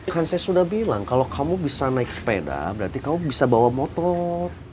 kan saya sudah bilang kalau kamu bisa naik sepeda berarti kamu bisa bawa motor